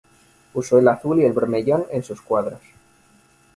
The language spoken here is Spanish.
Usó el azul y el bermellón en sus cuadros.